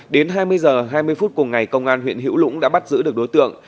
đến hai mươi h hai mươi phút cùng ngày công an huyện hữu lũng đã bắt giữ được đối tượng